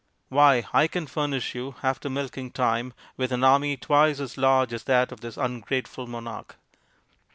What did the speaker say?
Why, I can furnish you, after milking time, with an army twice as large as that of this ungrateful monarch